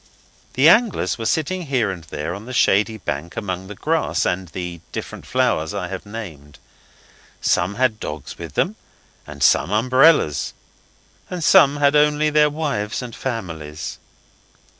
The anglers were sitting here and there on the shady bank among the grass and the different flowers I have named. Some had dogs with them, and some umbrellas, and some had only their wives and families.